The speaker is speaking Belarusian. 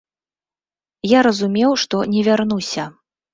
Я разумеў, што не вярнуся.